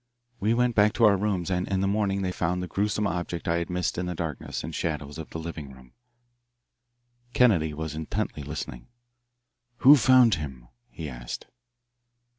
We went back to our rooms, and in the morning they found the gruesome object I had missed in the darkness and shadows of the living room." Kennedy was intently listening. "Who found him?" he asked.